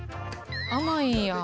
甘いんや。